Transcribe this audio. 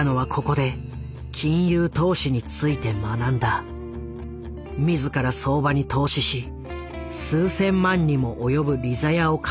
自ら相場に投資し数千万にも及ぶ利ざやを稼ぐこともあった。